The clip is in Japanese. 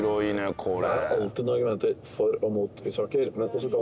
これ。